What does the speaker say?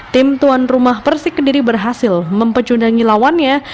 tim tuan rumah persik kediri berhasil mempecundangi lawannya